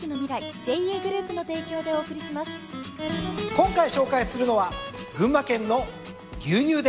今回紹介するのは群馬県の牛乳です。